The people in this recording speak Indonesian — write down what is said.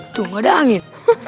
tuh gak ada angin